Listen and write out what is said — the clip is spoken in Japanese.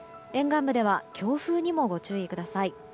沿岸部では強風にもご注意ください。